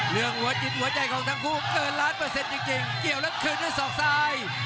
หัวจิตหัวใจของทั้งคู่เกินล้านเปอร์เซ็นต์จริงเกี่ยวแล้วคืนด้วยศอกซ้าย